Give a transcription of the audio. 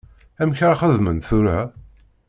Amek ara xedment tura?